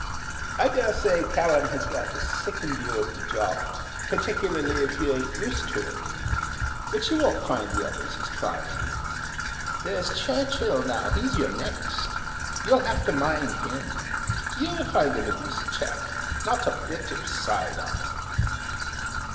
"I dare say Callan has rather sickened you of the job; particularly if you ain't used to it. But you won't find the others as trying. There's Churchill now, he's your next. You'll have to mind him. You'll find him a decent chap. Not a bit of side on him."